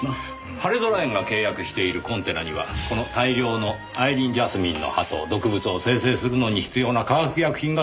はれぞら園が契約しているコンテナにはこの大量のアイリーンジャスミンの葉と毒物を生成するのに必要な化学薬品が揃っていました。